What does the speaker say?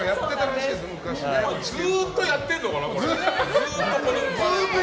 ずっとやってるのかな、これ。